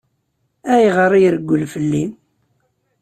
Ayɣer i ireggel fell-i?